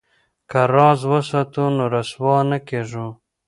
که راز وساتو نو رسوا نه کیږو.